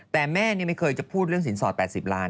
แต่แม่ไม่เคยจะพูดเรื่องสินสอด๘๐ล้าน